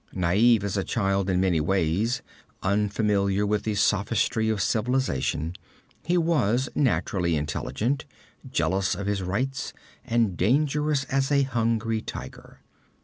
Naïve as a child in many ways, unfamiliar with the sophistry of civilization, he was naturally intelligent, jealous of his rights, and dangerous as a hungry tiger.